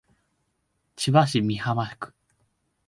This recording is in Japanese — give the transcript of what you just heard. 千葉市美浜区